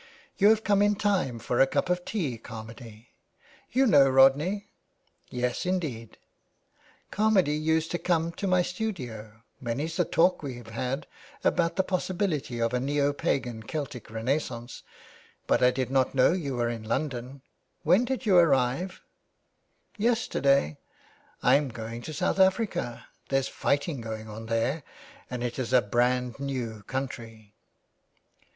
•' You have come in time for a cup of tea, Carmady. You know Rodney ?" "Yes, indeed." " Carmady used to come to my studio. Many's the talk we've had about the possibility of a neo pagan Celtic renaissance. But I did not know you were in London. When did you arrive ?"" Yesterday. Fm going to South Africa. There's fighting going on there, and it is a brand new country."